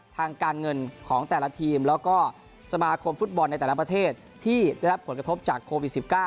ทางการเงินของแต่ละทีมแล้วก็สมาคมฟุตบอลในแต่ละประเทศที่ได้รับผลกระทบจากโควิด๑๙